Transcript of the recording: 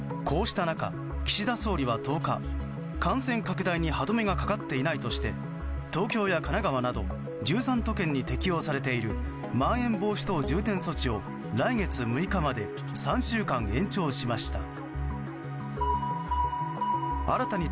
こうした中、岸田総理は１０日感染拡大に歯止めがかかっていないとして東京や神奈川など１３都県に適用されているまん延防止等重点措置を来月６日まで３週間延長しました。